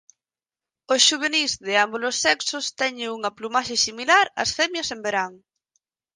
Os xuvenís de ambos os sexos teñen unha plumaxe similar ás femias en verán.